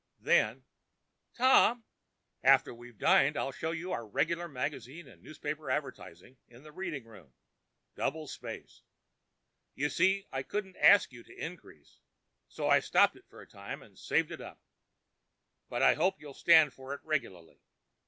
Then——" "Tom!" "After we've dined, I'll show you our regular magazine and newspaper advertising in the reading room—double space. You see, I couldn't ask you to increase, so I stopped it for a time and saved up. But I hope you'll stand for it regularly.